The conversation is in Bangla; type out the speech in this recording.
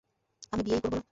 আমি বিয়েই করব না।